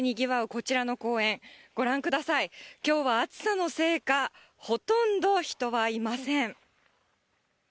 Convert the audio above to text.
こちらの公園、ご覧ください、きょうは暑さのせいか、ほとんど人はいません。